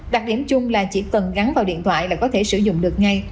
đặc điểm chung là chỉ cần gắn vào điện thoại là có thể sử dụng được ngay